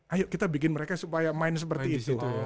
ayo kita bikin mereka supaya main seperti itu